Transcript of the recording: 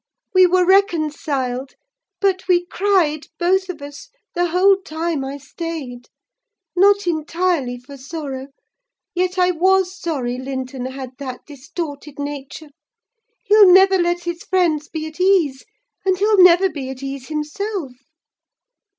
We were reconciled; but we cried, both of us, the whole time I stayed: not entirely for sorrow; yet I was sorry Linton had that distorted nature. He'll never let his friends be at ease, and he'll never be at ease himself!